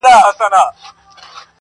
هر بنده، خپله ئې کرونده.